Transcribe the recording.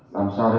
làm sao để bảo vệ